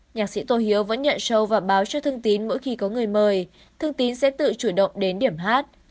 nhạc sĩ tô hiếu vẫn nhạy sâu và báo cho thương tín mỗi khi có người mời thương tín sẽ tự chủ động đến điểm hát